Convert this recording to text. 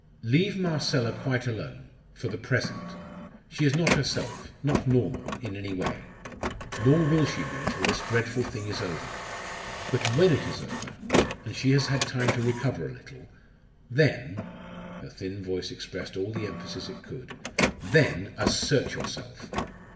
"Leave Marcella quite alone for the present. She is not herself not normal, in any way. Nor will she be till this dreadful thing is over. But when it is over, and she has had time to recover a little, then" her thin voice expressed all the emphasis it could "then assert yourself!